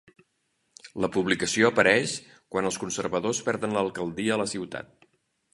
La publicació apareix quan els conservadors perden l'alcaldia a la ciutat.